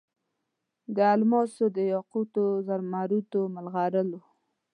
د الماسو، دیاقوتو، زمرودو، مرغلرو